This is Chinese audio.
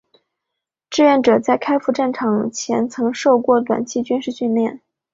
志愿者在开赴战场前曾受过短期军事训练。